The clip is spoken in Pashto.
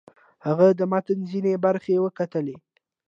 هغه د متن ځینې برخې وکتلې.